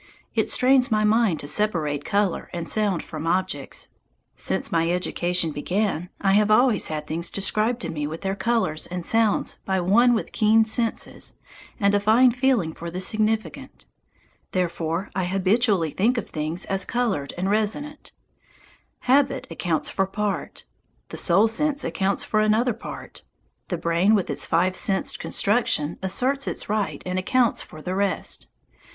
It strains my mind to separate colour and sound from objects. Since my education began I have always had things described to me with their colours and sounds by one with keen senses and a fine feeling for the significant. Therefore I habitually think of things as coloured and resonant. Habit accounts for part. The soul sense accounts for another part. The brain with its five sensed construction asserts its right and accounts for the rest.